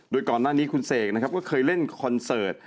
ด้วยก่อนหน้านี้คุณเสกก็เคยเล่นคอนเสิร์ต